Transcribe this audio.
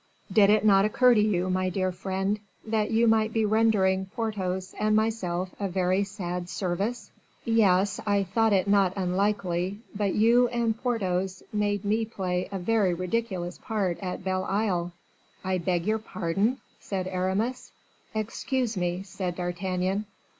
"Did it not occur to you, my dear friend, that you might be rendering Porthos and myself a very sad service?" "Yes, I thought it not unlikely; but you and Porthos made me play a very ridiculous part at Belle Isle." "I beg your pardon," said Aramis. "Excuse me," said D'Artagnan.